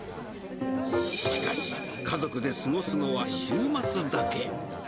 しかし、家族で過ごすのは週末だけ。